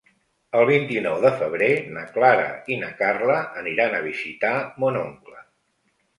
El vint-i-nou de febrer na Clara i na Carla aniran a visitar mon oncle.